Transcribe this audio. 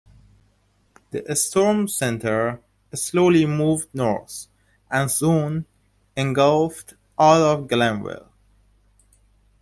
The storm's center slowly moved North, and soon, engulfed all of Glenville.